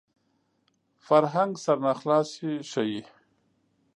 فرهنګ سرناخلاصي ښيي